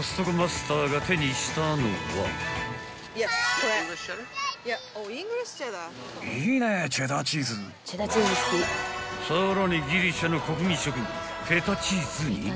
［さらにギリシャの国民食フェタチーズに］